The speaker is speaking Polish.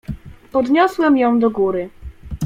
"Podniosłem ją do góry."